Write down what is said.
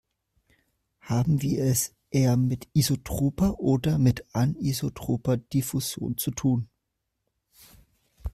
Haben wir es eher mit isotroper oder mit anisotroper Diffusion zu tun?